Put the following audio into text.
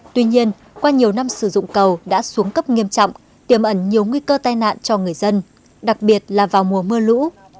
tuy nhiên qua nhiều năm sử dụng cầu đã xuống cấp nghiêm trọng tiềm ẩn nhiều nguy cơ tai nạn cho người dân đặc biệt là vào mùa mưa lũ